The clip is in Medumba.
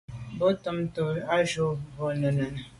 Bo tamtô à jù à b’a nunenùne.